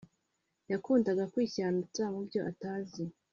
yakundaga kwishyanutsa mubyo atazi